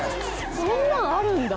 そんなんあるんだ。